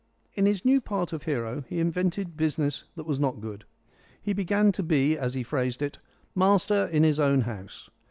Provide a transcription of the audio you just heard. In his new part of hero he invented business that was not good. He began to be, as he phrased it, "master in his own house."